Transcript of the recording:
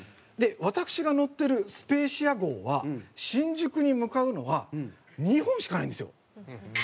で私が乗ってるスペーシア号は新宿に向かうのは２本しかないんですよ。